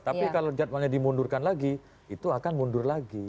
tapi kalau jadwalnya dimundurkan lagi itu akan mundur lagi